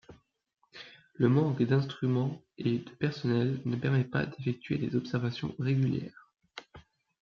Le manque d'instruments et de personnel ne permet par d'effectuer des observations régulières.